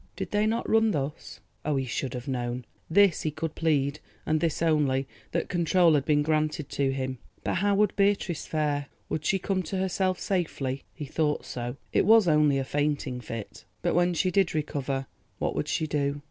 Did they not run thus? Oh, he should have known! This he could plead, and this only—that control had been granted to him. But how would Beatrice fare? Would she come to herself safely? He thought so, it was only a fainting fit. But when she did recover, what would she do?